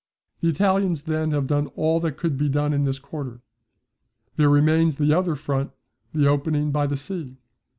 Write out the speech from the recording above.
The Italians then have done all that could be done in this quarter. There remains the other front, the opening by the sea.